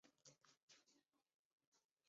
这是当时对艾滋病的一种误称。